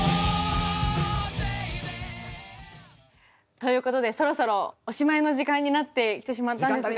ということでそろそろおしまいの時間になってきてしまったんですが。